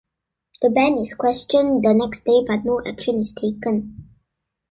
The band is questioned the next day, but no action is taken.